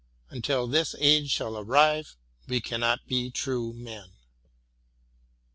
Until this age shall arrive, we cannot be true men.